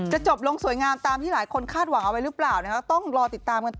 จบลงสวยงามตามที่หลายคนคาดหวังเอาไว้หรือเปล่าต้องรอติดตามกันต่อ